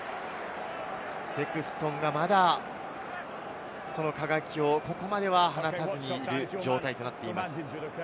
セクストンがまだその輝きをここまでは放たずにいる状態です。